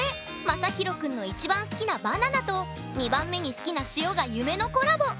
まさひろくんの１番好きなバナナと２番目に好きな塩が夢のコラボ！